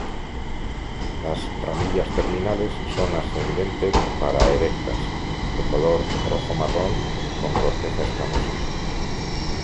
Las ramillas terminales son ascendente para erectas, de color rojo-marrón con corteza escamosa.